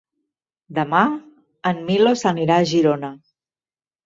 Demà en Milos anirà a Girona.